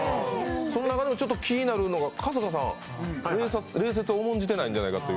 その中でもちょっと気になるのが春日さん、礼節を重んじていないんじゃないかと。